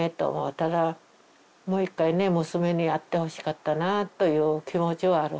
ただもう一回ね娘に会ってほしかったなという気持ちはある。